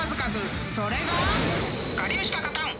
［それが］